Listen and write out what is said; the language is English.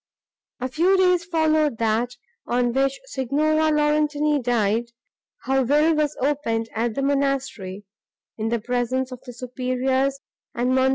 A few days followed that, on which Signora Laurentini died, her will was opened at the monastery, in the presence of the superiors and Mons.